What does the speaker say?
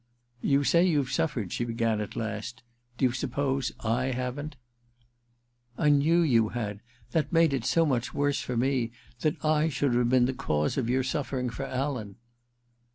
* You say you've suffered,' she began at last. * Do you suppose / haven't ?'* I knew you had. That made it so much worse for me — that I should have been the cause of your suflfering for Alan